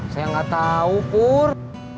saya gak tau pur